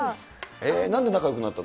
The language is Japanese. なんで仲よくなったの？